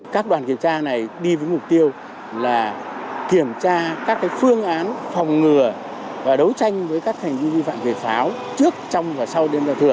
các đoàn kiểm tra này đi với mục tiêu là kiểm tra các phương án phòng ngừa và đấu tranh với các hành vi vi phạm về pháo trước trong và sau đêm giao thừa